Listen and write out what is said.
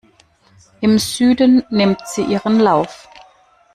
Im Süden nimmt sie ihren Lauf.